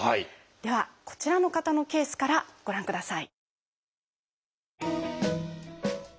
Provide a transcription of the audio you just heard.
ではこちらの方のケースからご覧ください。